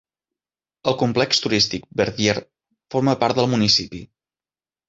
El complex turístic Verbier forma part del municipi.